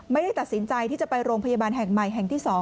ไม่ได้ตัดสินใจที่จะไปโรงพยาบาลแห่งใหม่แห่งที่๒